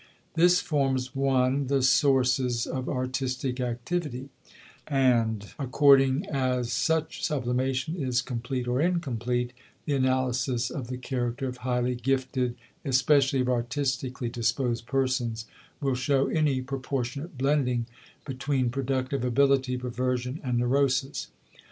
This forms one the sources of artistic activity, and, according as such sublimation is complete or incomplete, the analysis of the character of highly gifted, especially of artistically disposed persons, will show any proportionate, blending between productive ability, perversion, and neurosis.